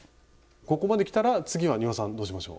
ここまできたら次は丹羽さんどうしましょう。